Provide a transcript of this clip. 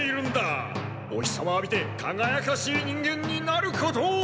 お日様を浴びてかがやかしい人間になることを！